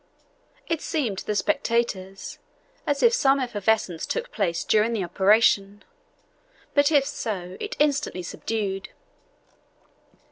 It seemed to the spectators as if some effervescence took place during the operation; but if so, it instantly subsided.